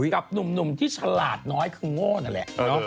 กับหนุ่มที่ฉลาดน้อยคือโง่นั่นแหละ